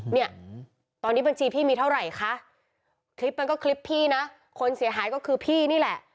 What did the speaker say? เนี่ยตอนนี้บัญชีพี่มีเท่าไหร่คะคลิปมันก็คลิปพี่นะคนเสียหายก็คือพี่นี่แหละ